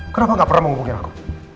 kenapa gak pernah memungkil aku